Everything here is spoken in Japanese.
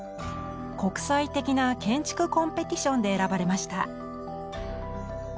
国際的な建築コンペティションで選ばれました。